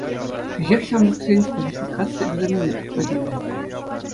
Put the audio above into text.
Кӗҫех ҫамӑрксен квалификаци экзаменне тытма тивӗ.